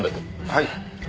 はい。